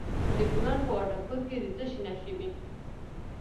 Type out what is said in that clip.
د کونړ په وټه پور کې د څه شي نښې دي؟